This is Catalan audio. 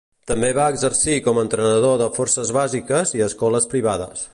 També va exercir com a entrenador de forces bàsiques i escoles privades.